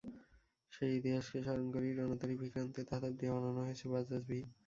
সেই ইতিহাসকে স্মরণ করেই রণতরি ভিক্রান্তের ধাতব দিয়ে বানানো হয়েছে বাজাজ ভি।